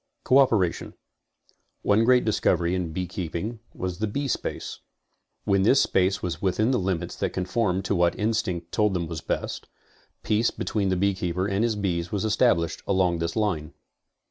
CO OPERATION One great discovery in beekeeping was the beespace. When this space was within the limits that conform to what instinct told them was best, peace between the beekeeper and his bees was established along this line.